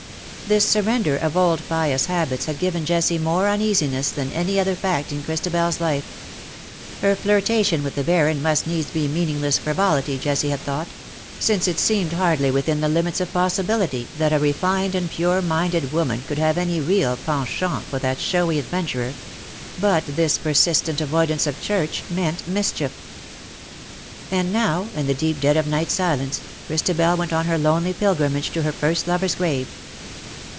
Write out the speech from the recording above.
This surrender of old pious habits had given Jessie more uneasiness than any other fact in Chris tabeFs life. Her flirtation with the Baron must needs be meaningless frivolity, Jessie had thought ; since it seemed hardly within the limits of possi bility that a refined and pure minded woman could have any real penchant for that showy adventurer ; but this persistent avoidance of church meant mischief. And nowj in the deep dead of night silence, Christabel went on her lonely pilgrimage to her first lover^s grave.